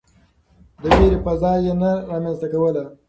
د وېرې فضا يې نه رامنځته کوله.